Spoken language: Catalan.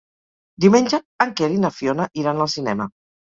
Diumenge en Quer i na Fiona iran al cinema.